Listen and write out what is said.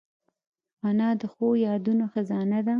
انا د ښو یادونو خزانه ده